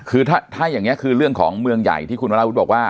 คือถ้าอย่างนี้คือเรื่องของเมืองใหญ่ที่คุณวราวุฒิบอกว่า